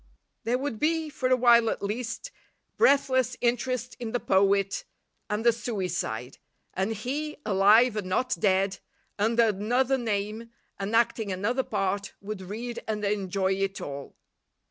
There would be, for a while at least, breathless interest in the poet and the suicide, and he, alive and not dead, under another name and acting another part, would read and enjoy it all.